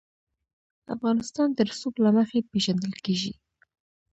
افغانستان د رسوب له مخې پېژندل کېږي.